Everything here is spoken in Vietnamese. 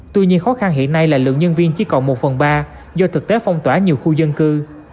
tuy nhiên khó khăn hiện nay là lượng nhân viên chỉ còn một phần ba do thực tế phong tỏa nhiều khu dân cư